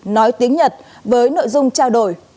nói tiếng nhật với nội dung trao đổi